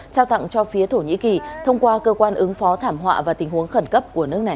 trao tặng cho phía thổ nhĩ kỳ thông qua cơ quan ứng phó thảm họa và tình huống khẩn cấp của nước này